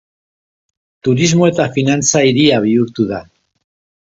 Turismo eta finantza hiria bihurtu da.